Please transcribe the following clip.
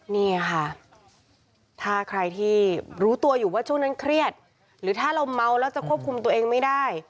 นี่ค่ะถ้าใครที่รู้ตัวอยู่ว่าช่วงนั้นเครียดหรือถ้าเราเมาแล้วจะควบคุมตัวเองไม่ได้